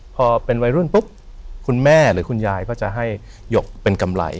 พอเป็นวัยรุ่นปุ๊บคุณแม่หรือคุณยายก็จะให้หยกเป็นกำไร